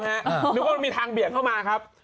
นึกว่ามันมีทางเบียดเข้ามาครับ